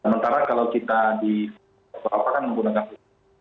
sementara kalau kita di bursa apa kan menggunakan bursa